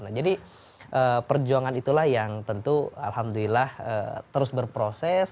nah jadi perjuangan itulah yang tentu alhamdulillah terus berproses